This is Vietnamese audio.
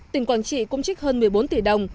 tỉnh quảng trị cũng trích hơn một mươi bốn tỷ đồng